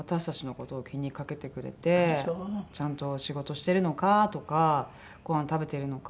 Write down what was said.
「ちゃんと仕事してるのか？」とか「ごはん食べてるのか？」とか。